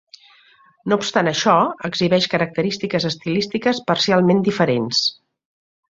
No obstant això, exhibeix característiques estilístiques parcialment diferents.